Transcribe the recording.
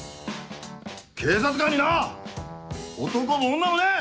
警察官にな男も女もねえ！